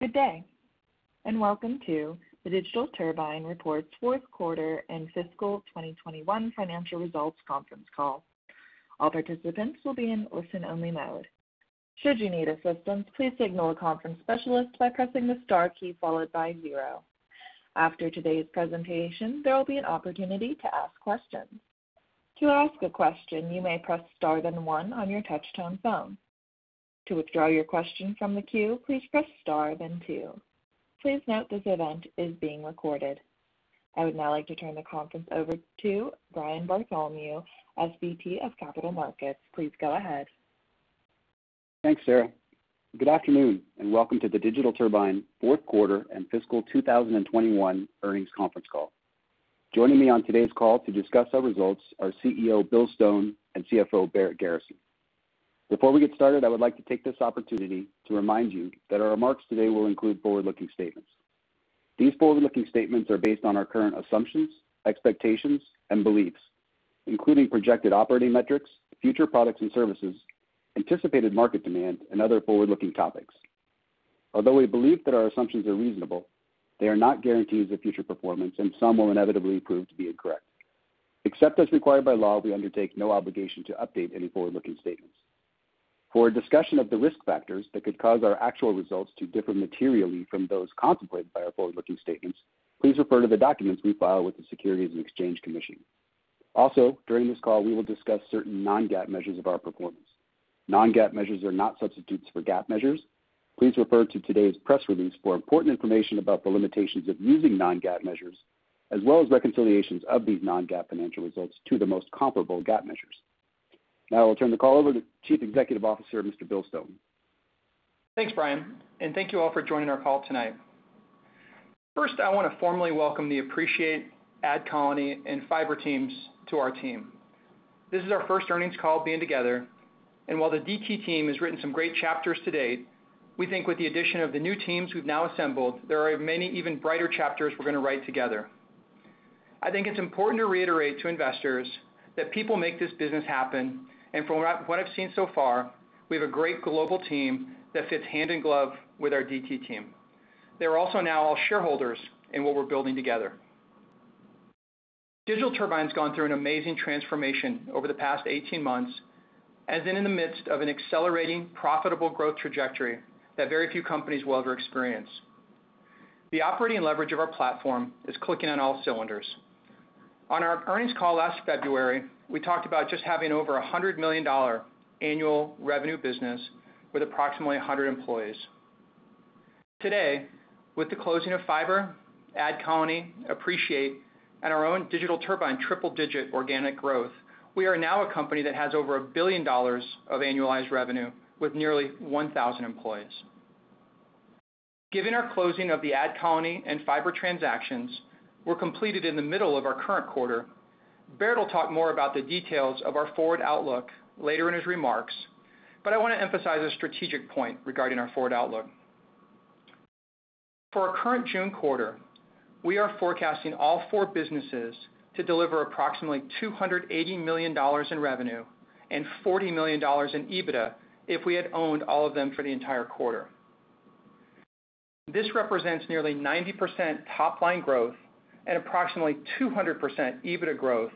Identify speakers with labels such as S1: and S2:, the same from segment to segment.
S1: Good day, and welcome to Digital Turbine reports fourth quarter and fiscal 2021 financial results conference call. All participants will be in listen-only mode. Should you need assistance, please signal our conference specialist by pressing the star key followed by zero. After today's presentation, there will be an opportunity to ask questions. To ask a question you may press star then one on your touchtone phone. To withdraw your question from the queue, please press star then two. Please note this event is being recorded. I would now like to turn the conference over to Brian Bartholomew, SVP of Capital Markets. Please go ahead.
S2: Thanks, Sarah. Good afternoon, and welcome to the Digital Turbine fourth quarter and fiscal 2021 earnings conference call. Joining me on today's call to discuss our results are CEO Bill Stone and CFO Barrett Garrison. Before we get started, I would like to take this opportunity to remind you that our remarks today will include forward-looking statements. These forward-looking statements are based on our current assumptions, expectations, and beliefs, including projected operating metrics, future products and services, anticipated market demand, and other forward-looking topics. Although we believe that our assumptions are reasonable, they are not guarantees of future performance, and some will inevitably prove to be incorrect. Except as required by law, we undertake no obligation to update any forward-looking statements. For a discussion of the risk factors that could cause our actual results to differ materially from those contemplated by our forward-looking statements, please refer to the documents we file with the Securities and Exchange Commission. Also, during this call, we will discuss certain non-GAAP measures of our performance. Non-GAAP measures are not substitutes for GAAP measures. Please refer to today's press release for important information about the limitations of using non-GAAP measures, as well as reconciliations of these non-GAAP financial results to the most comparable GAAP measures. Now, I will turn the call over to Chief Executive Officer, Mr. Bill Stone.
S3: Thanks, Brian. Thank you all for joining our call tonight. First, I want to formally welcome the Appreciate, AdColony, and Fyber teams to our team. This is our first earnings call being together. While the DT team has written some great chapters to date, we think with the addition of the new teams we've now assembled, there are many even brighter chapters we're going to write together. I think it's important to reiterate to investors that people make this business happen. From what I've seen so far, we have a great global team that fits hand in glove with our DT team. They're also now all shareholders in what we're building together. Digital Turbine's gone through an amazing transformation over the past 18 months and been in the midst of an accelerating profitable growth trajectory that very few companies will ever experience. The operating leverage of our platform is clicking on all cylinders. On our earnings call last February, we talked about just having over $100 million annual revenue business with approximately 100 employees. Today, with the closing of Fyber, AdColony, Appreciate, and our own Digital Turbine triple-digit organic growth, we are now a company that has over $1 billion of annualized revenue with nearly 1,000 employees. Given our closing of the AdColony and Fyber transactions were completed in the middle of our current quarter, Barrett will talk more about the details of our forward outlook later in his remarks, but I want to emphasize a strategic point regarding our forward outlook. For our current June quarter, we are forecasting all four businesses to deliver approximately $280 million in revenue and $40 million in EBITDA if we had owned all of them for the entire quarter. This represents nearly 90% top-line growth and approximately 200% EBITDA growth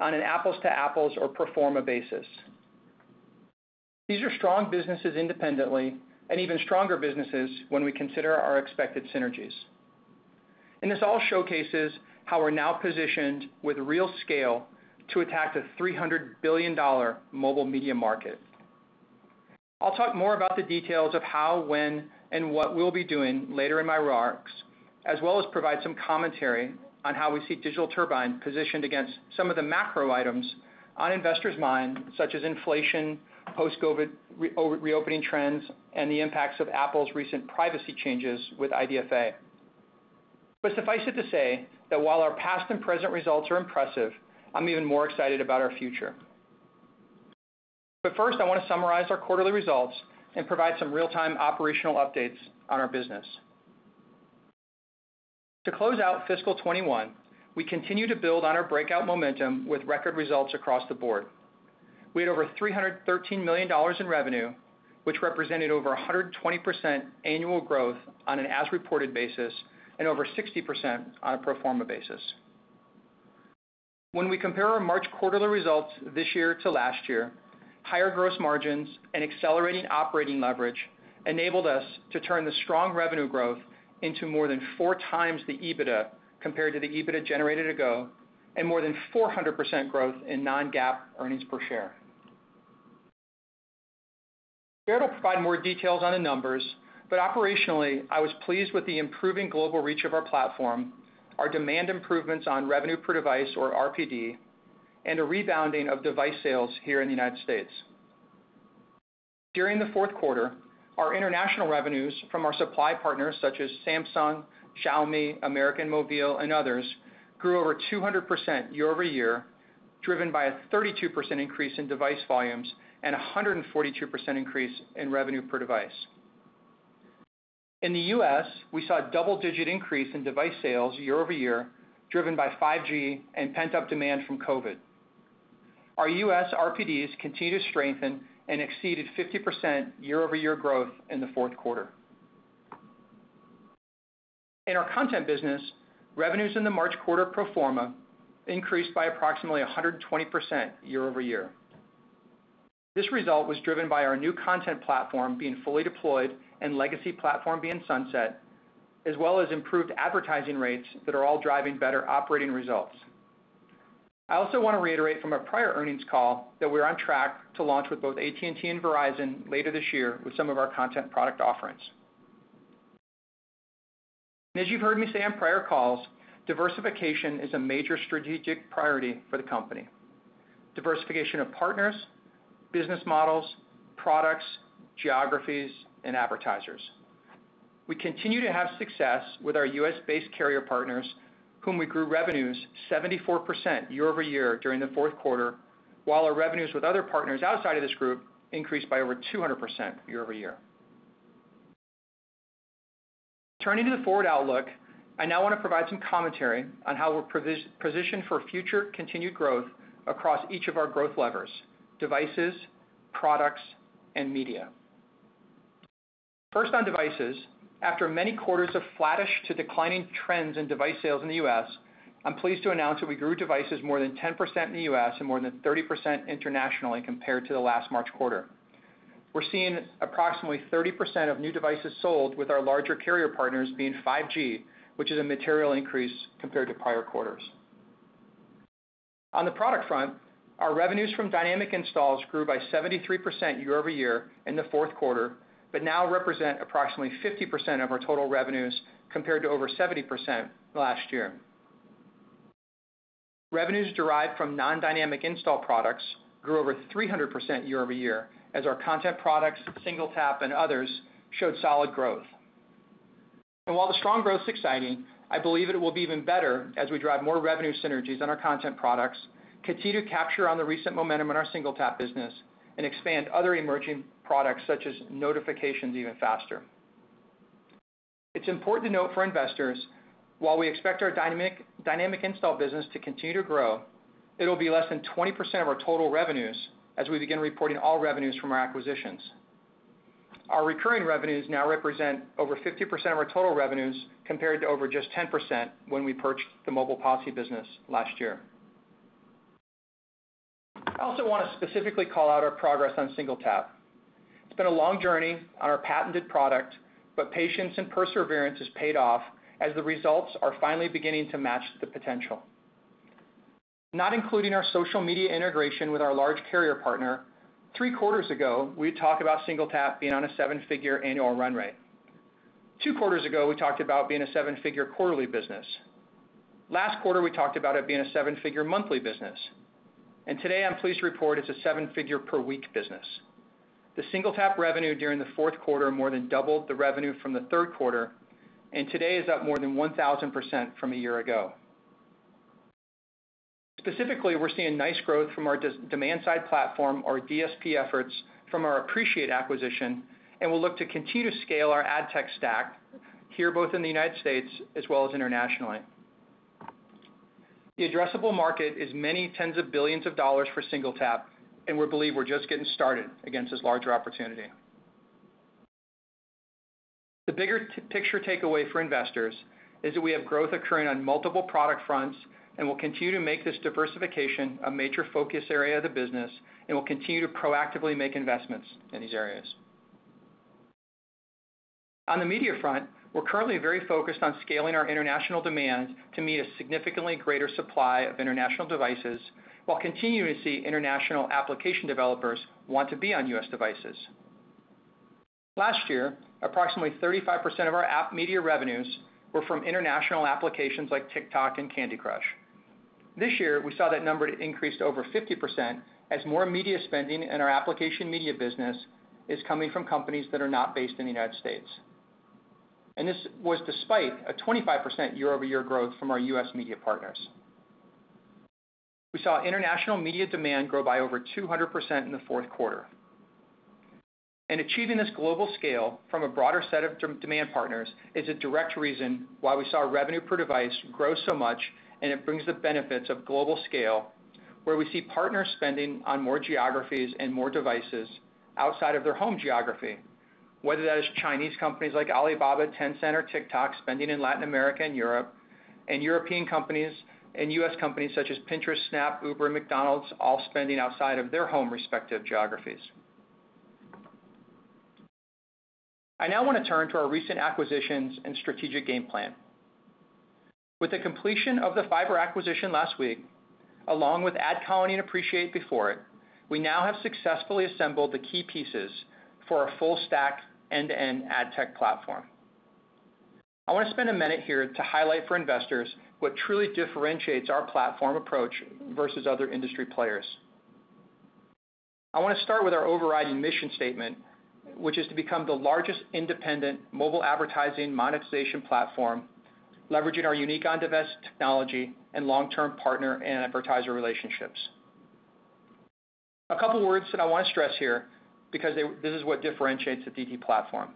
S3: on an apples-to-apples or pro forma basis. These are strong businesses independently and even stronger businesses when we consider our expected synergies. This all showcases how we're now positioned with real scale to attack the $300 billion mobile media market. I'll talk more about the details of how, when, and what we'll be doing later in my remarks, as well as provide some commentary on how we see Digital Turbine positioned against some of the macro items on investors' minds, such as inflation, post-COVID reopening trends, and the impacts of Apple's recent privacy changes with IDFA. Suffice it to say that while our past and present results are impressive, I'm even more excited about our future. First, I want to summarize our quarterly results and provide some real-time operational updates on our business. To close out fiscal 2021, we continue to build on our breakout momentum with record results across the board. We had over $313 million in revenue, which represented over 120% annual growth on an as-reported basis and over 60% on a pro forma basis. When we compare our March quarterly results this year to last year, higher gross margins and accelerating operating leverage enabled us to turn the strong revenue growth into more than 4x the EBITDA compared to the EBITDA generated a year ago and more than 400% growth in non-GAAP earnings per share. Barrett will provide more details on the numbers, but operationally, I was pleased with the improving global reach of our platform, our demand improvements on Revenue Per Device or RPD, and a rebounding of device sales here in the U.S. During the fourth quarter, our international revenues from our supply partners such as Samsung, Xiaomi, América Móvil, and others, grew over 200% year-over-year, driven by a 32% increase in device volumes and 142% increase in Revenue Per Device. In the U.S., we saw a double-digit increase in device sales year-over-year, driven by 5G and pent-up demand from COVID. Our U.S. RPDs continue to strengthen and exceeded 50% year-over-year growth in the fourth quarter. In our content business, revenues in the March quarter pro forma increased by approximately 120% year-over-year. This result was driven by our new content platform being fully deployed and legacy platform being sunset, as well as improved advertising rates that are all driving better operating results. I also want to reiterate from our prior earnings call that we're on track to launch with both AT&T and Verizon later this year with some of our content product offerings. As you've heard me say on prior calls, diversification is a major strategic priority for the company. Diversification of partners, business models, products, geographies, and advertisers. We continue to have success with our U.S.-based carrier partners, whom we grew revenues 74% year-over-year during the fourth quarter, while our revenues with other partners outside of this group increased by over 200% year-over-year. Turning to the forward outlook, I now want to provide some commentary on how we're positioned for future continued growth across each of our growth levers: devices, products, and media. First, on devices, after many quarters of flattish to declining trends in device sales in the U.S., I'm pleased to announce that we grew devices more than 10% in the U.S. and more than 30% internationally compared to the last March quarter. We're seeing approximately 30% of new devices sold with our larger carrier partners being 5G, which is a material increase compared to prior quarters. On the product front, our revenues from dynamic installs grew by 73% year-over-year in the fourth quarter, but now represent approximately 50% of our total revenues, compared to over 70% last year. Revenues derived from non-dynamic install products grew over 300% year-over-year, as our content products, SingleTap, and others showed solid growth. While the strong growth is exciting, I believe it will be even better as we drive more revenue synergies on our content products, continue to capture on the recent momentum in our SingleTap business, and expand other emerging products such as notifications even faster. It's important to note for investors, while we expect our dynamic install business to continue to grow, it'll be less than 20% of our total revenues as we begin reporting all revenues from our acquisitions. Our recurring revenues now represent over 50% of our total revenues, compared to over just 10% when we purchased the Mobile Posse business last year. I also want to specifically call out our progress on SingleTap. It's been a long journey on our patented product, patience and perseverance has paid off, as the results are finally beginning to match the potential. Not including our social media integration with our large carrier partner, three quarters ago, we had talked about SingleTap being on a seven-figure annual run rate. Two quarters ago, we talked about being a seven-figure quarterly business. Last quarter, we talked about it being a seven-figure monthly business. Today, I'm pleased to report it's a seven-figure per week business. The SingleTap revenue during the fourth quarter more than doubled the revenue from the third quarter and today is up more than 1,000% from a year ago. Specifically, we're seeing nice growth from our Demand-Side Platform, our DSP efforts from our Appreciate acquisition, and we'll look to continue to scale our ad tech stack here, both in the United States as well as internationally. The addressable market is many tens of billions of dollars for SingleTap, and we believe we're just getting started against this larger opportunity. The bigger picture takeaway for investors is that we have growth occurring on multiple product fronts, and we'll continue to make this diversification a major focus area of the business, and we'll continue to proactively make investments in these areas. On the media front, we're currently very focused on scaling our international demand to meet a significantly greater supply of international devices while continuing to see international application developers want to be on U.S. devices. Last year, approximately 35% of our app media revenues were from international applications like TikTok and Candy Crush. This year, we saw that number to increase over 50% as more media spending in our application media business is coming from companies that are not based in the United States. This was despite a 25% year-over-year growth from our U.S. media partners. We saw international media demand grow by over 200% in the fourth quarter. Achieving this global scale from a broader set of demand partners is a direct reason why we saw Revenue Per Device grow so much, and it brings the benefits of global scale, where we see partners spending on more geographies and more devices outside of their home geography, whether that is Chinese companies like Alibaba, Tencent, or TikTok spending in Latin America and Europe, and European companies and U.S. companies such as Pinterest, Snap, Uber, McDonald's all spending outside of their home respective geographies. I now want to turn to our recent acquisitions and strategic game plan. With the completion of the Fyber acquisition last week, along with AdColony and Appreciate before it, we now have successfully assembled the key pieces for our full-stack end-to-end ad tech platform. I want to spend a minute here to highlight for investors what truly differentiates our platform approach versus other industry players. I want to start with our overriding mission statement, which is to become the largest independent mobile advertising monetization platform, leveraging our unique on-device technology and long-term partner and advertiser relationships. A couple of words that I want to stress here because this is what differentiates the DT platform.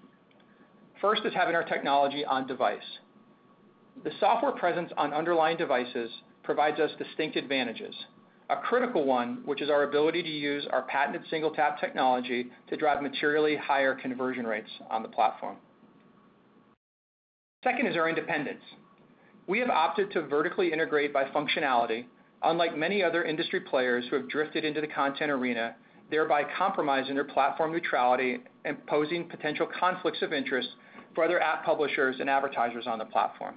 S3: First is having our technology on device. The software presence on underlying devices provides us distinct advantages, a critical one which is our ability to use our patented SingleTap technology to drive materially higher conversion rates on the platform. Second is our independence. We have opted to vertically integrate by functionality, unlike many other industry players who have drifted into the content arena, thereby compromising their platform neutrality and posing potential conflicts of interest for other app publishers and advertisers on the platform.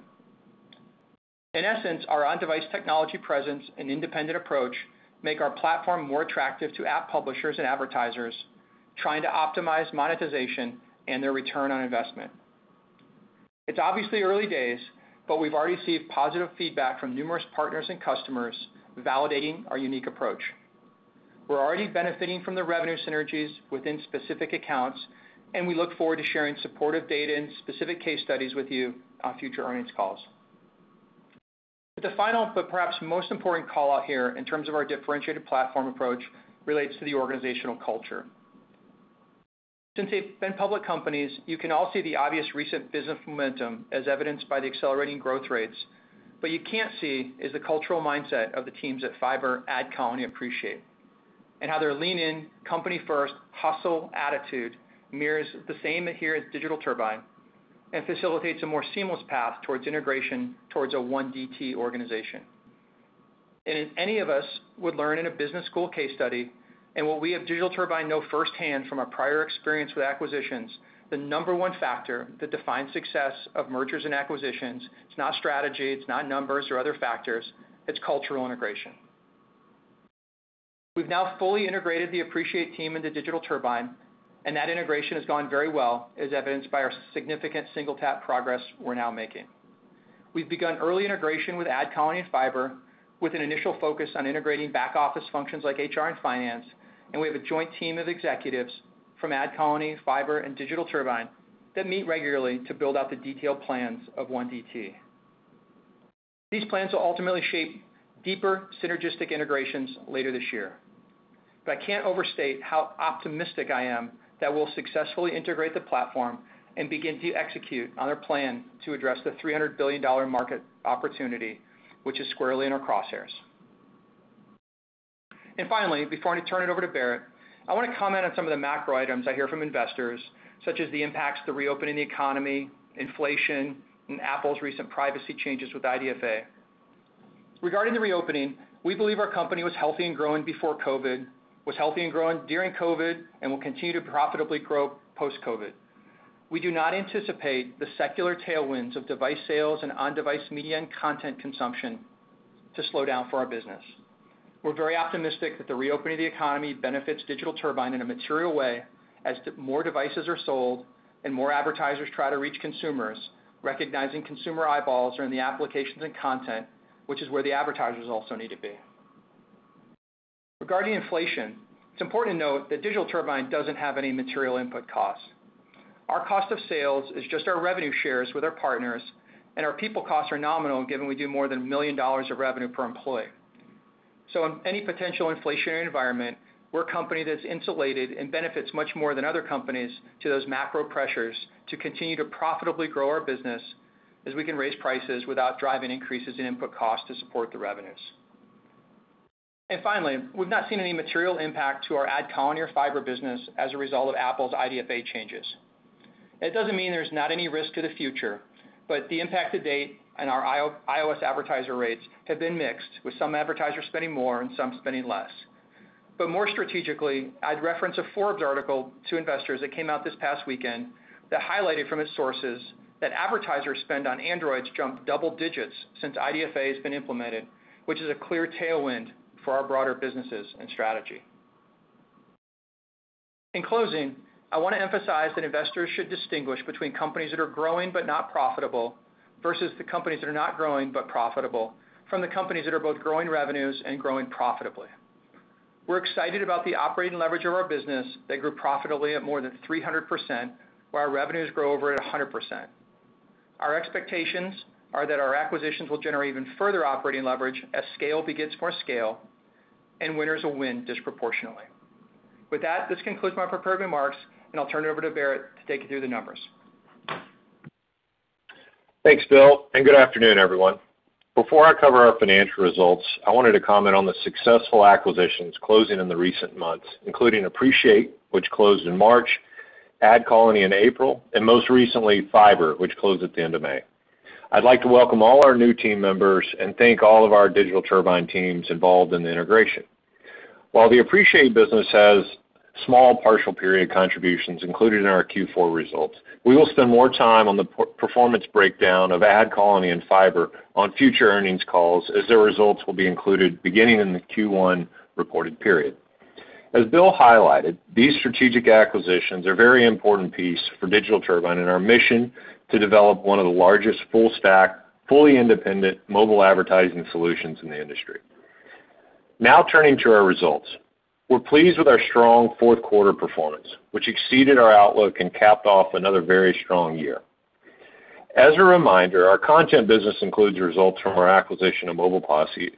S3: In essence, our on-device technology presence and independent approach make our platform more attractive to app publishers and advertisers trying to optimize monetization and their return on investment. It's obviously early days, we've already received positive feedback from numerous partners and customers validating our unique approach. We're already benefiting from the revenue synergies within specific accounts, we look forward to sharing supportive data and specific case studies with you on future earnings calls. The final, but perhaps most important call-out here in terms of our differentiated platform approach relates to the organizational culture. Since they've been public companies, you can all see the obvious recent business momentum as evidenced by the accelerating growth rates. You can't see is the cultural mindset of the teams at Fyber, AdColony, Appreciate, and how their lean in, company first hustle attitude mirrors the same adherence Digital Turbine and facilitates a more seamless path towards integration towards a one DT organization. Any of us would learn in a business school case study and what we at Digital Turbine know firsthand from our prior experience with acquisitions, the number one factor that defines success of mergers and acquisitions, it's not strategy, it's not numbers or other factors, it's cultural integration. We've now fully integrated the Appreciate team into Digital Turbine, and that integration has gone very well, as evidenced by our significant SingleTap progress we're now making. We've begun early integration with AdColony and Fyber with an initial focus on integrating back-office functions like HR and finance. We have a joint team of executives from AdColony, Fyber, and Digital Turbine that meet regularly to build out the detailed plans of one DT. These plans will ultimately shape deeper synergistic integrations later this year. I can't overstate how optimistic I am that we'll successfully integrate the platform and begin to execute on our plan to address the $300 billion market opportunity, which is squarely in our crosshairs. Finally, before I turn it over to Barrett, I want to comment on some of the macro items I hear from investors, such as the impacts of the reopening economy, inflation, and Apple's recent privacy changes with IDFA. Regarding the reopening, we believe our company was healthy and growing before COVID, was healthy and growing during COVID, and will continue to profitably grow post-COVID. We do not anticipate the secular tailwinds of device sales and on-device media and content consumption to slow down for our business. We're very optimistic that the reopening of the economy benefits Digital Turbine in a material way as more devices are sold and more advertisers try to reach consumers. Recognizing consumer eyeballs are in the applications and content, which is where the advertisers also need to be. Regarding inflation, it's important to note that Digital Turbine doesn't have any material input costs. Our cost of sales is just our revenue shares with our partners, and our people costs are nominal given we do more than million dollars of revenue per employee. In any potential inflationary environment, we're a company that's insulated and benefits much more than other companies to those macro pressures to continue to profitably grow our business as we can raise prices without driving increases in input costs to support the revenues. Finally, we've not seen any material impact to our AdColony or Fyber business as a result of Apple's IDFA changes. That doesn't mean there's not any risk to the future, but the impact to date on our iOS advertiser rates have been mixed, with some advertisers spending more and some spending less. More strategically, I'd reference a Forbes article to investors that came out this past weekend that highlighted from its sources that advertiser spend on Android jumped double digits since IDFA has been implemented, which is a clear tailwind for our broader businesses and strategy. In closing, I want to emphasize that investors should distinguish between companies that are growing but not profitable, versus the companies that are not growing but profitable, from the companies that are both growing revenues and growing profitably. We're excited about the operating leverage of our business that grew profitably at more than 300% while our revenues grow over at 100%. Our expectations are that our acquisitions will generate even further operating leverage as scale begets more scale and winners will win disproportionately. With that, this concludes my prepared remarks, and I'll turn it over to Barrett to take you through the numbers.
S4: Thanks, Bill. Good afternoon, everyone. Before I cover our financial results, I wanted to comment on the successful acquisitions closing in the recent months, including Appreciate, which closed in March, AdColony in April, and most recently Fyber, which closed at the end of May. I'd like to welcome all our new team members and thank all of our Digital Turbine teams involved in the integration. The Appreciate business has small partial period contributions included in our Q4 results, we will spend more time on the performance breakdown of AdColony and Fyber on future earnings calls as their results will be included beginning in the Q1 reported period. Bill highlighted, these strategic acquisitions are a very important piece for Digital Turbine and our mission to develop one of the largest full stack, fully independent mobile advertising solutions in the industry. Turning to our results. We're pleased with our strong fourth quarter performance, which exceeded our outlook and capped off another very strong year. As a reminder, our content business includes results from our acquisition of Mobile Posse.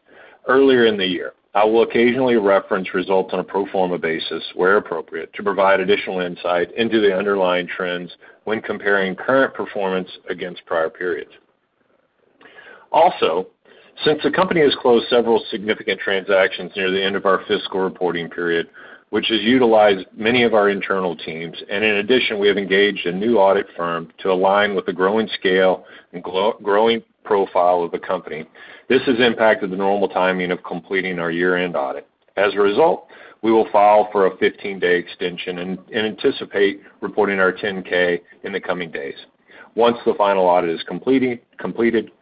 S4: Earlier in the year, I will occasionally reference results on a pro forma basis where appropriate to provide additional insight into the underlying trends when comparing current performance against prior periods. Also, since the company has closed several significant transactions near the end of our fiscal reporting period, which has utilized many of our internal teams, and in addition, we have engaged a new audit firm to align with the growing scale and growing profile of the company. This has impacted the normal timing of completing our year-end audit. As a result, we will file for a 15-day extension and anticipate reporting our 10-K in the coming days. Once the final audit is completed,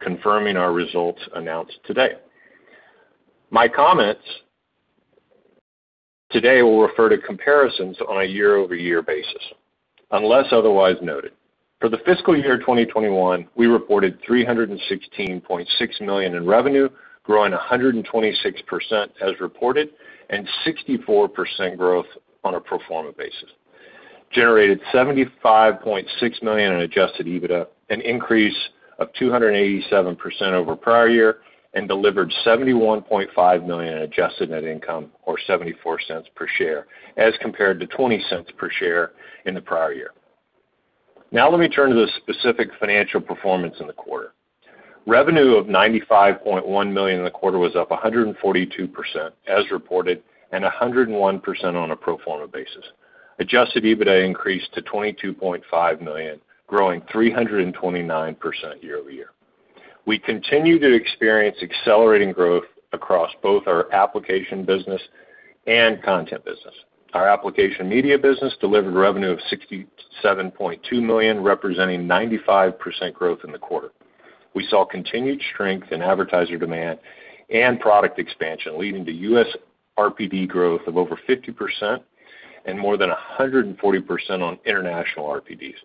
S4: confirming our results announced today. My comments today will refer to comparisons on a year-over-year basis, unless otherwise noted. For the fiscal year 2021, we reported $316.6 million in revenue, growing 126% as reported, and 64% growth on a pro forma basis, generated $75.6 million in adjusted EBITDA, an increase of 287% over prior year, and delivered $71.5 million in adjusted net income, or $0.74 per share, as compared to $0.20 per share in the prior year. Now let me turn to the specific financial performance in the quarter. Revenue of $95.1 million in the quarter was up 142% as reported and 101% on a pro forma basis. Adjusted EBITDA increased to $22.5 million, growing 329% year-over-year. We continue to experience accelerating growth across both our application business and content business. Our application media business delivered revenue of $67.2 million, representing 95% growth in the quarter. We saw continued strength in advertiser demand and product expansion, leading to U.S. RPD growth of over 50% and more than 140% on international RPDs.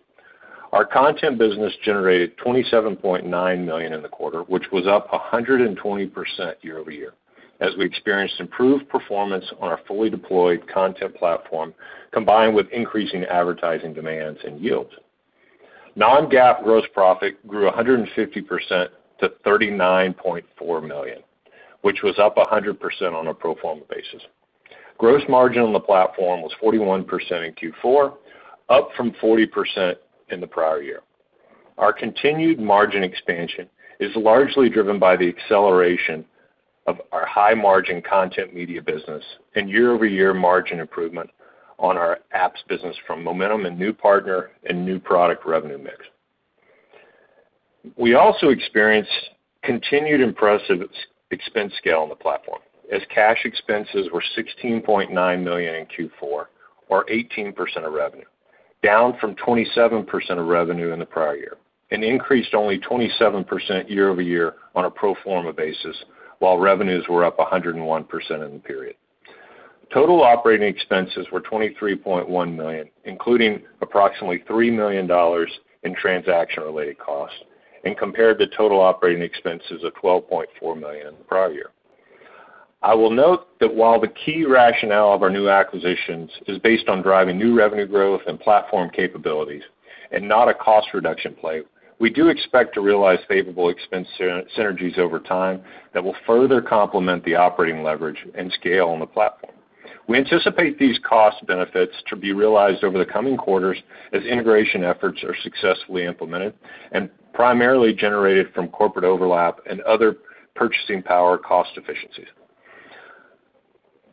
S4: Our content business generated $27.9 million in the quarter, which was up 120% year-over-year, as we experienced improved performance on our fully deployed content platform, combined with increasing advertising demands and yields. Non-GAAP gross profit grew 150% to $39.4 million, which was up 100% on a pro forma basis. Gross margin on the platform was 41% in Q4, up from 40% in the prior year. Our continued margin expansion is largely driven by the acceleration of our high-margin content media business and year-over-year margin improvement on our apps business from momentum and new partner and new product revenue mix. We also experienced continued impressive expense scale on the platform, as cash expenses were $16.9 million in Q4 or 18% of revenue, down from 27% of revenue in the prior year and increased only 27% year-over-year on a pro forma basis, while revenues were up 101% in the period. Total operating expenses were $23.1 million, including approximately $3 million in transaction-related costs and compared to total operating expenses of $12.4 million in the prior year. I will note that while the key rationale of our new acquisitions is based on driving new revenue growth and platform capabilities and not a cost reduction play, we do expect to realize favorable expense synergies over time that will further complement the operating leverage and scale on the platform. We anticipate these cost benefits to be realized over the coming quarters as integration efforts are successfully implemented and primarily generated from corporate overlap and other purchasing power cost efficiencies.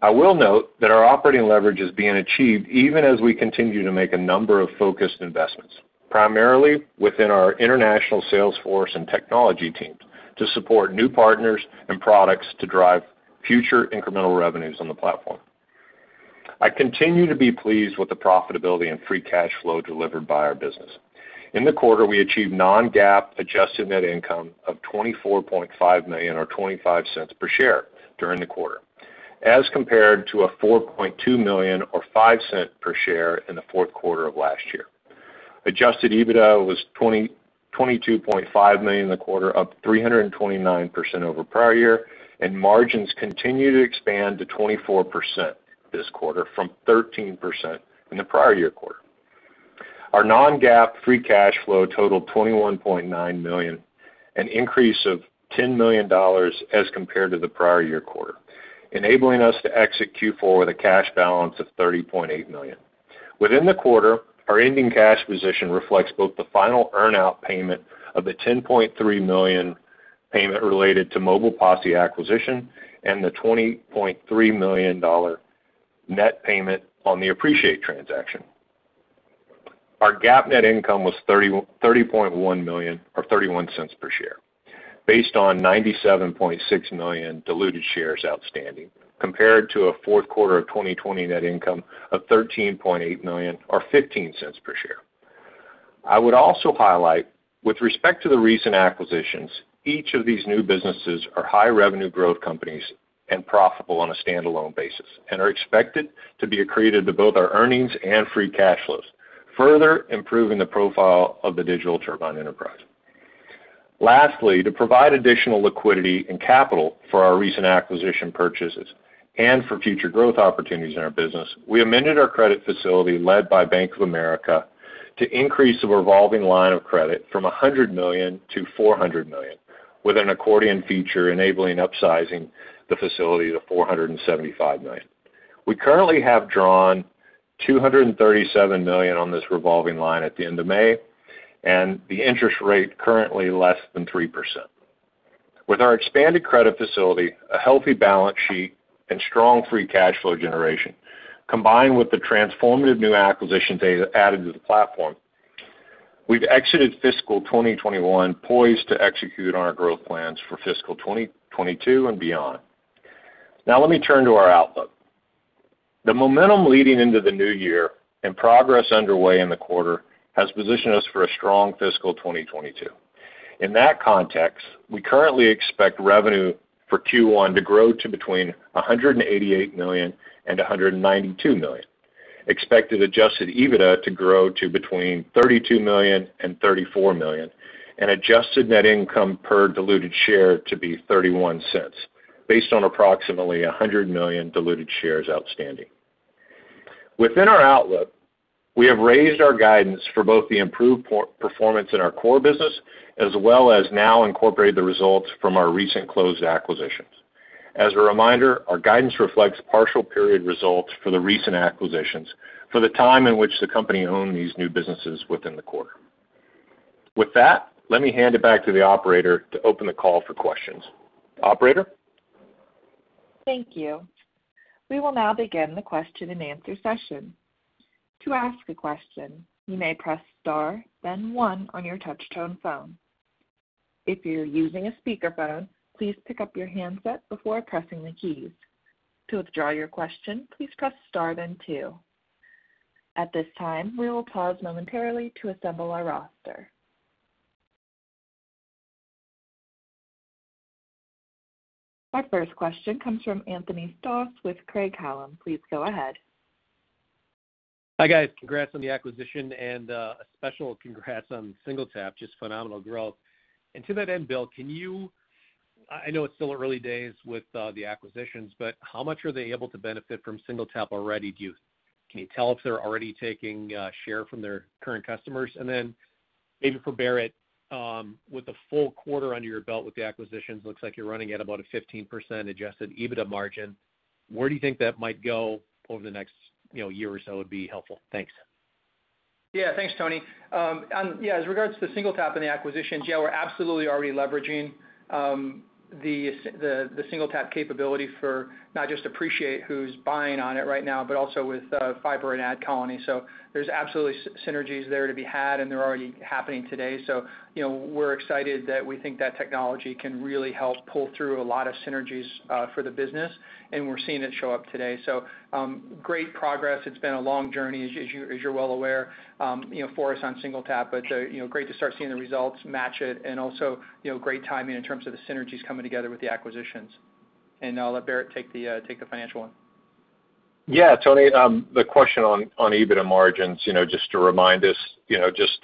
S4: I will note that our operating leverage is being achieved even as we continue to make a number of focused investments, primarily within our international sales force and technology teams to support new partners and products to drive future incremental revenues on the platform. I continue to be pleased with the profitability and free cash flow delivered by our business. In the quarter, we achieved non-GAAP adjusted net income of $24.5 million or $0.25 per share during the quarter as compared to a $4.2 million or $0.05 per share in the fourth quarter of last year. Adjusted EBITDA was $22.5 million in the quarter, up 329% over prior year, and margins continue to expand to 24% this quarter from 13% in the prior year quarter. Our non-GAAP free cash flow totaled $21.9 million, an increase of $10 million as compared to the prior year quarter, enabling us to execute forward a cash balance of $30.8 million. Within the quarter, our ending cash position reflects both the final earn-out payment of the $10.3 million payment related to Mobile Posse acquisition and the $20.3 million net payment on the Appreciate transaction. Our GAAP net income was $30.1 million or $0.31 per share based on 97.6 million diluted shares outstanding, compared to a fourth quarter of 2020 net income of $13.8 million or $0.15 per share. I would also highlight with respect to the recent acquisitions, each of these new businesses are high revenue growth companies and profitable on a standalone basis and are expected to be accretive to both our earnings and free cash flows, further improving the profile of the Digital Turbine enterprise. Lastly, to provide additional liquidity and capital for our recent acquisition purchases and for future growth opportunities in our business, we amended our credit facility led by Bank of America to increase the revolving line of credit from $100 million-$400 million, with an accordion feature enabling upsizing the facility to $475 million. We currently have drawn $237 million on this revolving line at the end of May, and the interest rate currently less than 3%. With our expanded credit facility, a healthy balance sheet, and strong free cash flow generation, combined with the transformative new acquisitions added to the platform, we've exited fiscal 2021 poised to execute on our growth plans for fiscal 2022 and beyond. Let me turn to our outlook. The momentum leading into the new year and progress underway in the quarter has positioned us for a strong fiscal 2022. In that context, we currently expect revenue for Q1 to grow to between $188 million and $192 million, expected adjusted EBITDA to grow to between $32 million and $34 million, and adjusted net income per diluted share to be $0.31, based on approximately 100 million diluted shares outstanding. Within our outlook, we have raised our guidance for both the improved performance in our core business, as well as now incorporated the results from our recent closed acquisitions. As a reminder, our guidance reflects partial period results for the recent acquisitions, for the time in which the company owned these new businesses within the quarter. With that, let me hand it back to the operator to open the call for questions. Operator?
S1: Thank you. We will now begin the question-and-answer session. To ask a question, you may press star then one on your touchtone phone. If you're using a speaker phone, please pick up your handset before pressing the key. To withdraw your question, please press star then two. At this time, we will pause momentarily to assemble our roster. Our first question comes from Anthony Stoss with Craig-Hallum. Please go ahead.
S5: Hi, guys. Congrats on the acquisition and a special congrats on SingleTap. Just phenomenal growth. To that end, Bill, I know it's still early days with the acquisitions, but how much are they able to benefit from SingleTap already? Can you tell if they're already taking share from their current customers? Then maybe for Barrett, with a full quarter under your belt with the acquisitions, looks like you're running at about a 15% adjusted EBITDA margin. Where do you think that might go over the next year or so would be helpful. Thanks.
S3: Yeah. Thanks, Tony. As regards to the SingleTap and the acquisitions, we're absolutely already leveraging the SingleTap capability for not just Appreciate who's buying on it right now, but also with Fyber and AdColony. There's absolutely synergies there to be had, and they're already happening today. We're excited that we think that technology can really help pull through a lot of synergies for the business, and we're seeing it show up today. Great progress. It's been a long journey, as you're well aware for us on SingleTap. It's great to start seeing the results match it and also great timing in terms of the synergies coming together with the acquisitions. I'll let Barrett take the financial one.
S4: Yeah, Tony, the question on EBITDA margins, just to remind us, just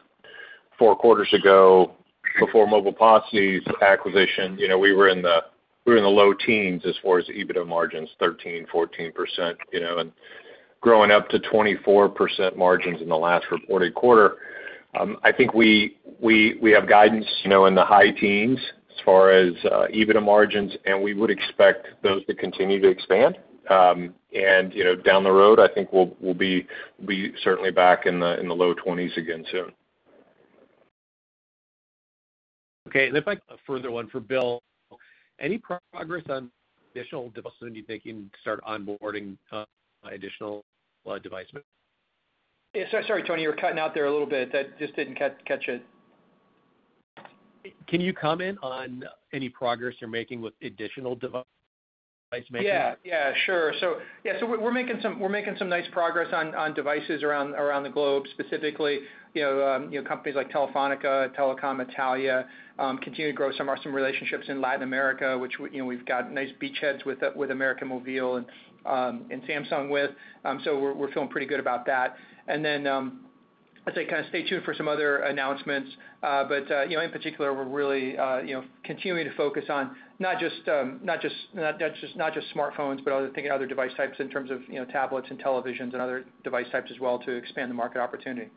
S4: four quarters ago, before Mobile Posse acquisition, we were in the low teens as far as EBITDA margins, 13%, 14%, and growing up to 24% margins in the last reported quarter. I think we have guidance in the high teens as far as EBITDA margins, and we would expect those to continue to expand. Down the road, I think we'll be certainly back in the low 20%s again soon.
S5: Okay. If I can, a further one for Bill. Any progress on additional device making to start onboarding additional device makers?
S3: Yeah. Sorry, Tony, you were cutting out there a little bit. Just didn't catch it.
S5: Can you comment on any progress you're making with additional device making?
S3: Yeah. Sure. We're making some nice progress on devices around the globe, specifically companies like Telefónica, Telecom Italia. Continue to grow some relationships in Latin America, which we've got nice beachheads with América Móvil and Samsung with. I'd say stay tuned for some other announcements. In particular, we're really continuing to focus on not just smartphones, but I think other device types in terms of tablets and televisions and other device types as well to expand the market opportunity.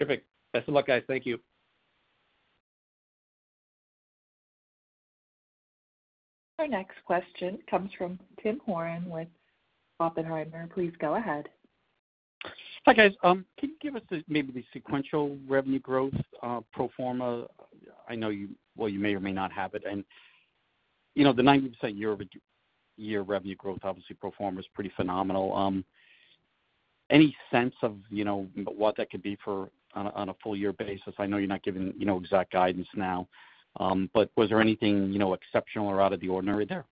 S5: Okay. Best of luck, guys. Thank you.
S1: Our next question comes from Tim Horan with Oppenheimer. Please go ahead.
S6: Hi, guys. Can you give us maybe the sequential revenue growth pro forma? I know you may or may not have it, and the 90% year-over-year revenue growth, obviously pro forma, is pretty phenomenal. Any sense of what that could be for on a full year basis? I know you're not giving exact guidance now. Was there anything exceptional or out of the ordinary there?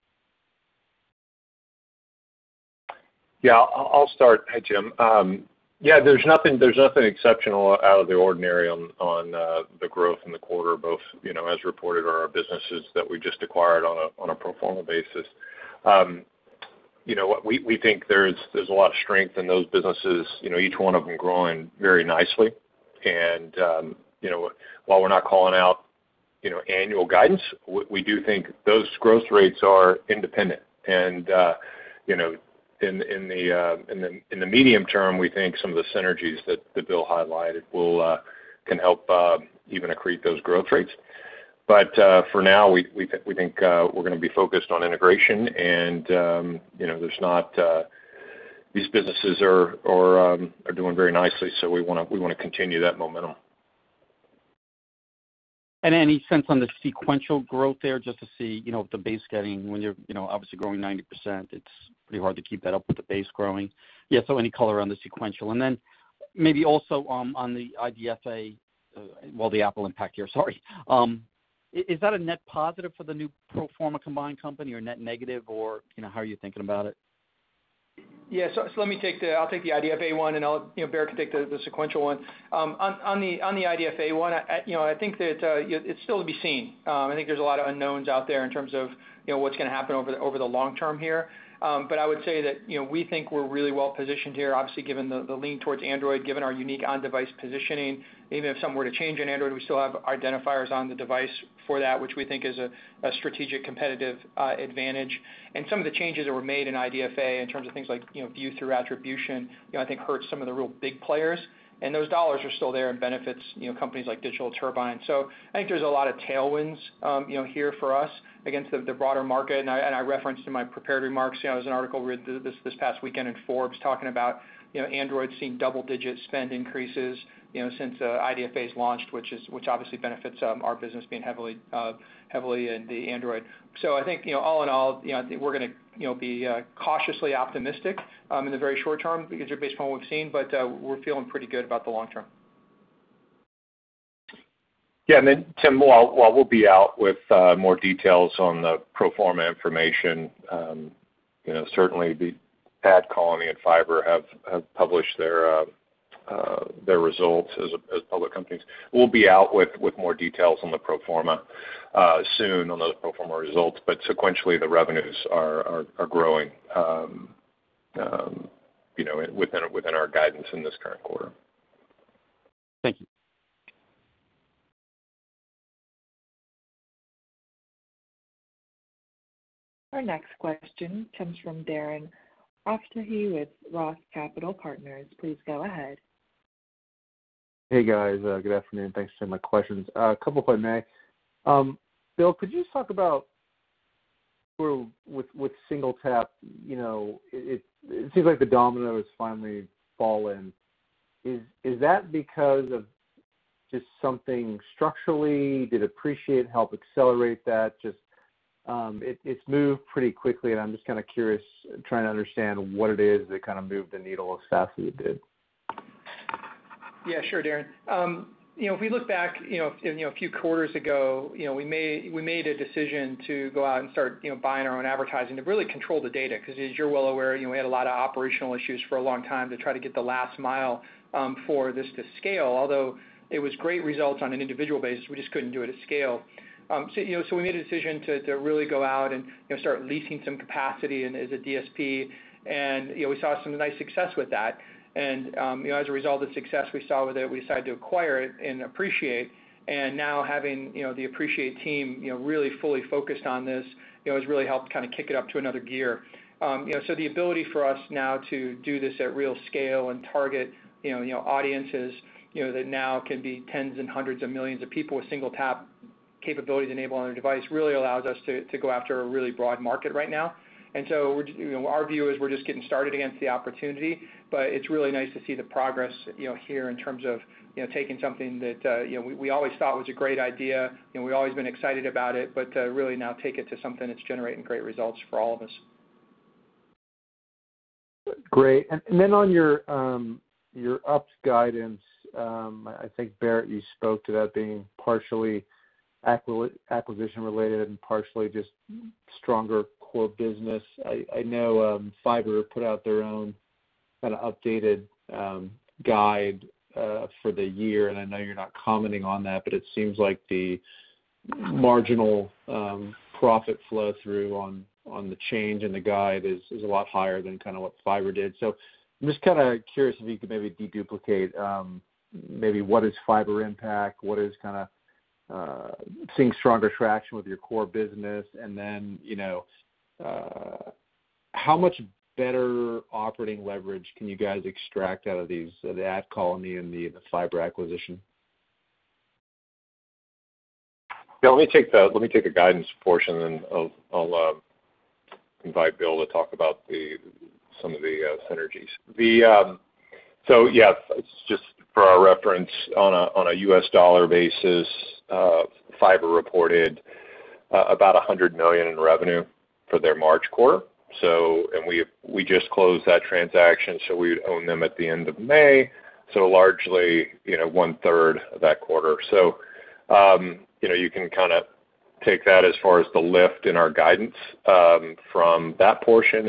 S4: Yeah. I'll start, Tim. Yeah, there's nothing exceptional or out of the ordinary on the growth in the quarter, both as reported on our businesses that we just acquired on a pro forma basis. We think there's a lot of strength in those businesses, each one of them growing very nicely. While we're not calling out Annual guidance. We do think those growth rates are independent and in the medium term, we think some of the synergies that Bill highlighted can help even accrete those growth rates. For now, we think we're going to be focused on integration, and these businesses are doing very nicely, so we want to continue that momentum.
S6: Any sense on the sequential growth there just to see, the base getting when you're obviously growing 90%, it's pretty hard to keep that up with the base growing. Yeah. Any color on the sequential and then maybe also on the IDFA, well, the Apple impact here, sorry. Is that a net positive for the new pro forma combined company or net negative or how are you thinking about it?
S3: Let me take the, I'll take the IDFA one and I'll have Barrett take the sequential one. On the IDFA one, I think that it's still to be seen. I think there's a lot of unknowns out there in terms of what's going to happen over the long term here. I would say that we think we're really well-positioned here, obviously given the lean towards Android, given our unique on-device positioning, even if something were to change in Android, we still have identifiers on the device for that, which we think is a strategic competitive advantage. Some of the changes that were made in IDFA in terms of things like view through attribution, I think hurt some of the real big players. Those dollars are still there and benefits companies like Digital Turbine. I think there's a lot of tailwinds here for us against the broader market. I referenced in my prepared remarks, there was an article read this past weekend in Forbes talking about Android seeing double-digit spend increases since IDFA's launched, which obviously benefits our business being heavily into Android. I think, all in all, we're going to be cautiously optimistic in the very short term because based on what we've seen, but we're feeling pretty good about the long term.
S4: Yeah. Tim, while we'll be out with more details on the pro forma information, certainly AdColony and Fyber have published their results as public companies. We'll be out with more details on the pro forma soon on those pro forma results. Sequentially, the revenues are growing within our guidance in this current quarter.
S6: Thank you.
S1: Our next question comes from Darren Aftahi with Roth Capital Partners. Please go ahead.
S7: Hey, guys. Good afternoon. Thanks for my questions. A couple quick things. Bill, could you talk about with SingleTap, it seems like the domino has finally fallen. Is that because of just something structurally did Appreciate help accelerate that? Just it's moved pretty quickly and I'm just curious, trying to understand what it is that kind of moved the needle exactly it did.
S3: Yeah, sure, Darren. If we look back a few quarters ago, we made a decision to go out and start buying our own advertising to really control the data because as you're well aware, we had a lot of operational issues for a long time to try to get the last mile for this to scale. Although it was great results on an individual basis, we just couldn't do it at scale. We made a decision to really go out and start leasing some capacity as a DSP, and we saw some nice success with that. As a result of the success we saw with it, we decided to acquire it and Appreciate, and now having the Appreciate team really fully focused on this has really helped kick it up to another gear. The ability for us now to do this at real scale and target audiences that now can be tens and hundreds of millions of people with SingleTap capability enabled on their device really allows us to go after a really broad market right now. Our view is we're just getting started against the opportunity, but it's really nice to see the progress here in terms of taking something that we always thought was a great idea, and we've always been excited about it, but to really now take it to something that's generating great results for all of us.
S7: Great. On your EPS guidance, I think Barrett, you spoke to that being partially acquisition related and partially just stronger core business. I know Fyber put out their own kind of updated guide for the year, I know you're not commenting on that, but it seems like the marginal profit flow through on the change in the guide is a lot higher than what Fyber did. I'm just curious if you could maybe de-duplicate maybe what is Fyber impact, what is kind of seeing stronger traction with your core business, and then how much better operating leverage can you guys extract out of these, the AdColony and the Fyber acquisition?
S4: Yeah. Let me take the guidance portion and then I'll invite Bill to talk about some of the synergies. Yeah, just for our reference on a U.S. dollar basis, Fyber reported about $100 million in revenue for their March quarter. We just closed that transaction, so we own them at the end of May, so largely 1/3 of that quarter. You can take that as far as the lift in our guidance from that portion.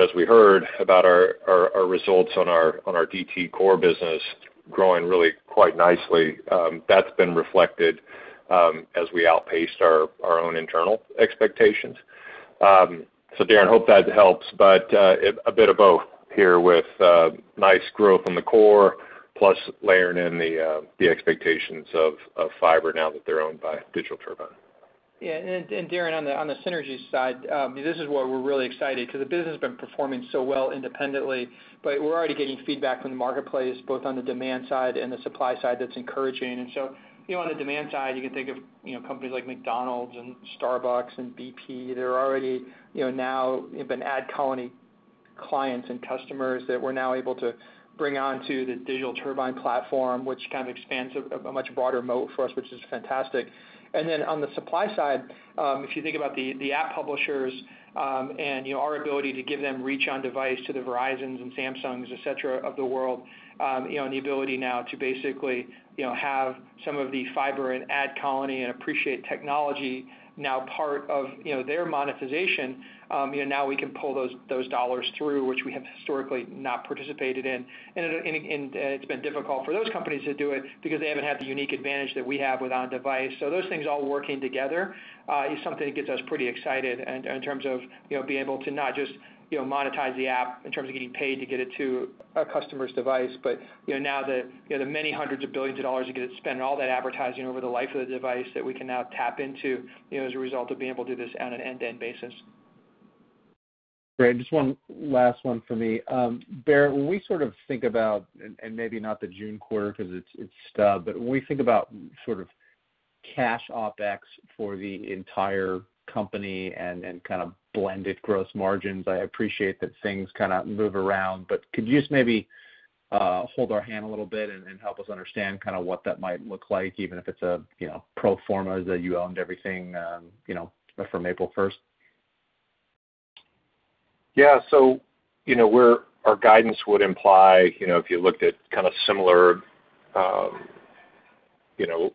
S4: As we heard about our results on our DT core business growing really quite nicely, that's been reflected as we outpaced our own internal expectations. Darren, hope that helps. A bit of both here with nice growth in the core plus layering in the expectations of Fyber now that they're owned by Digital Turbine.
S3: Yeah. Darren, on the synergy side, this is why we're really excited because the business has been performing so well independently, but we're already getting feedback from the marketplace both on the demand side and the supply side that's encouraging. On the demand side, you can think of companies like McDonald's and Starbucks and BP. They're already now have been AdColony clients and customers that we're now able to bring onto the Digital Turbine platform, which kind of expands a much broader moat for us, which is fantastic. On the supply side, if you think about the app publishers and our ability to give them reach on device to the Verizons and Samsungs, et cetera, of the world. The ability now to basically have some of the Fyber and AdColony and Appreciate technology now part of their monetization. Now we can pull those dollars through which we have historically not participated in. It's been difficult for those companies to do it because they haven't had the unique advantage that we have with on-device. Those things all working together is something that gets us pretty excited and in terms of being able to not just monetize the app in terms of getting paid to get it to a customer's device. Now the many hundreds of billions of dollars you get to spend all that advertising over the life of the device that we can now tap into, as a result of being able to do this on an end-to-end basis.
S7: Great. Just one last one for me. Barrett, when we think about, and maybe not the June quarter because it is stub, but when we think about sort of cash OpEx for the entire company and kind of blended gross margins, I appreciate that things kind of move around, but could you just maybe hold our hand a little bit and help us understand what that might look like, even if it is a pro forma as though you owned everything from April 1st?
S4: Yeah. Our guidance would imply if you looked at kind of similar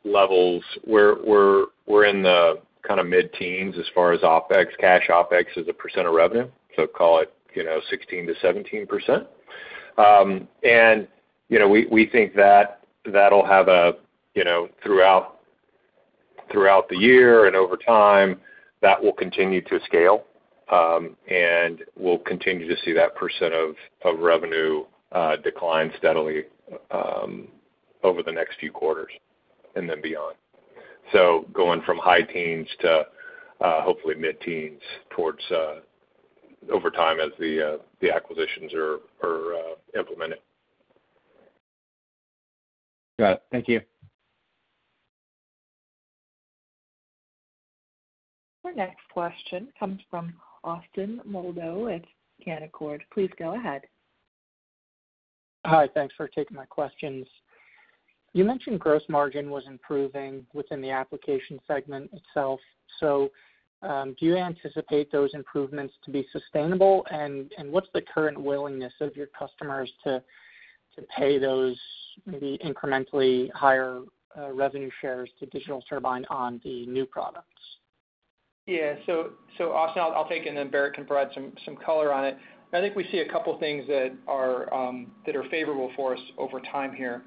S4: levels, we're in the mid-teens as far as OpEx, cash OpEx as a percent of revenue. Call it 16%-17%. We think that'll have throughout the year and over time, that will continue to scale. We'll continue to see that percent of revenue decline steadily over the next few quarters and then beyond. Going from high teens to hopefully mid-teens over time as the acquisitions are implemented.
S7: Got it. Thank you.
S1: Our next question comes from Austin Moldow with Canaccord. Please go ahead.
S8: Hi, thanks for taking my questions. You mentioned gross margin was improving within the application segment itself. Do you anticipate those improvements to be sustainable? What's the current willingness of your customers to pay those maybe incrementally higher revenue shares to Digital Turbine on the new products?
S3: Yeah. Austin, I'll take it and Barrett can provide some color on it. I think we see a couple things that are favorable for us over time here.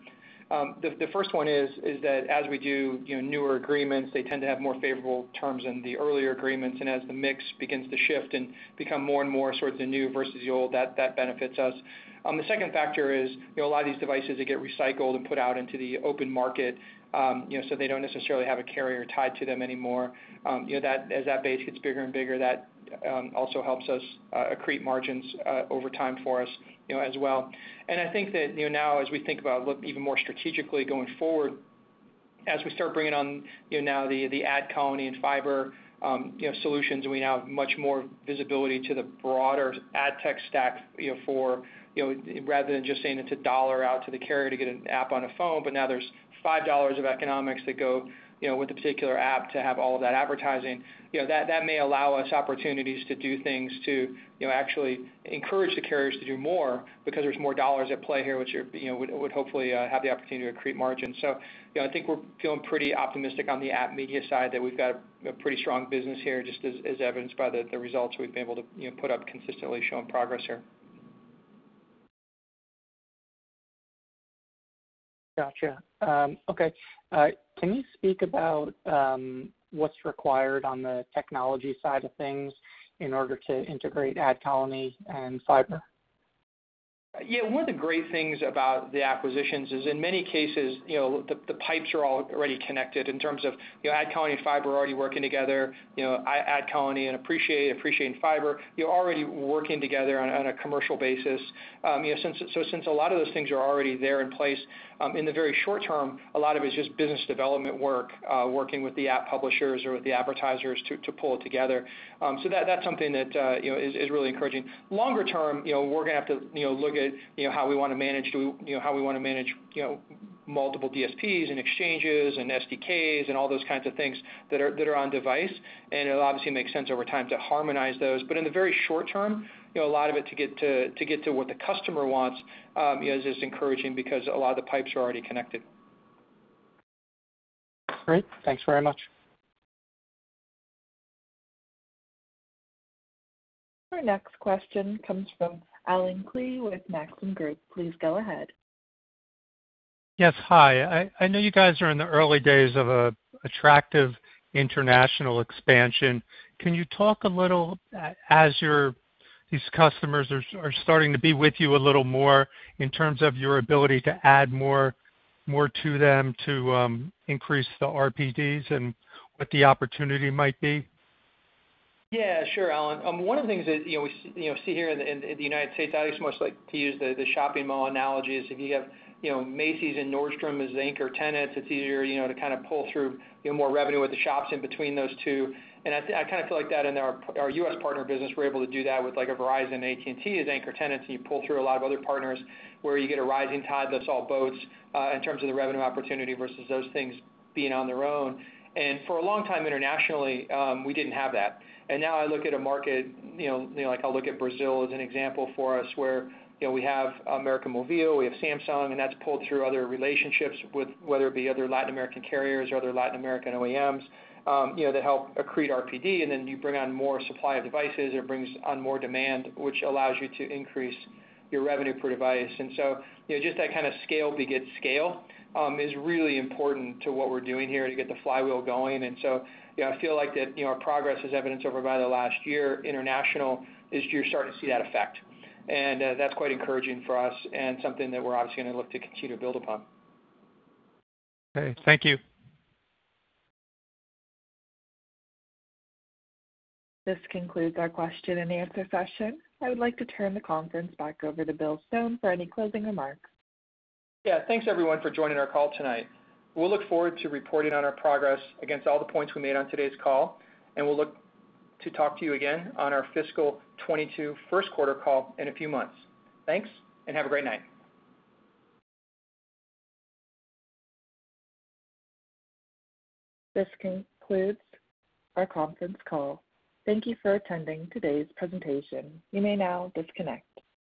S3: The first one is that as we do newer agreements, they tend to have more favorable terms than the earlier agreements. As the mix begins to shift and become more and more sorts of new versus the old, that benefits us. The second factor is a lot of these devices, they get recycled and put out into the open market. They don't necessarily have a carrier tied to them anymore. As that base gets bigger and bigger, that also helps us accrete margins over time for us as well. I think that now as we think about even more strategically going forward, as we start bringing on now the AdColony and Fyber solutions, and we have much more visibility to the broader ad tech stack, rather than just saying it's a dollar out to the carrier to get an app on a phone, but now there's $5 of economics that go with a particular app to have all that advertising. That may allow us opportunities to do things to actually encourage the carriers to do more because there's more dollars at play here, which would hopefully have the opportunity to accrete margin. I think we're feeling pretty optimistic on the app media side that we've got a pretty strong business here, just as evidenced by the results we've been able to put up consistently showing progress here.
S8: Gotcha. Okay. Can you speak about what's required on the technology side of things in order to integrate AdColony and Fyber?
S3: One of the great things about the acquisitions is in many cases, the pipes are all already connected in terms of AdColony and Fyber are already working together. AdColony and Appreciate and Fyber, already working together on a commercial basis. Since a lot of those things are already there in place, in the very short term, a lot of it's just business development work, working with the app publishers or the advertisers to pull it together. That's something that is really encouraging. Longer term, we're going to have to look at how we want to manage multiple DSPs and exchanges and SDKs and all those kinds of things that are on-device. It'll obviously make sense over time to harmonize those. In the very short term, a lot of it to get to what the customer wants, is just encouraging because a lot of the pipes are already connected.
S8: Great. Thanks very much.
S1: Our next question comes from Allen Klee with Maxim Group. Please go ahead.
S9: Yes. Hi. I know you guys are in the early days of an attractive international expansion. Can you talk a little, as these customers are starting to be with you a little more in terms of your ability to add more to them to increase the RPDs and what the opportunity might be?
S3: Sure, Allen. One of the things that we see here in the U.S., I always much like to use the shopping mall analogy, is if you have Macy's and Nordstrom as anchor tenants to pull through more revenue with the shops in between those two. I feel like that in our U.S. partner business, we're able to do that with Verizon and AT&T as anchor tenants, you pull through a lot of other partners where you get a rising tide that lifts all boats in terms of the revenue opportunity versus those things being on their own. For a long time internationally, we didn't have that. Now I look at a market, I look at Brazil as an example for us, where we have América Móvil, we have Samsung, and that's pulled through other relationships with whether it be other Latin American carriers or other Latin American OEMs that help accrete RPD. You bring on more supply devices, it brings on more demand, which allows you to increase your Revenue Per Device. Just that scale begets scale is really important to what we're doing here to get the flywheel going. I feel like that our progress has evidenced over by the last year international, this year starting to see that effect. That's quite encouraging for us and something that we're obviously going to look to continue to build upon.
S9: Okay, thank you.
S1: This concludes our question-and-answer session. I would like to turn the conference back over to Bill Stone for any closing remarks.
S3: Yeah. Thanks everyone for joining our call tonight. We'll look forward to reporting on our progress against all the points we made on today's call, and we'll look to talk to you again on our fiscal 2022 first quarter call in a few months. Thanks, and have a great night.
S1: This concludes our conference call. Thank you for attending today's presentation. You may now disconnect.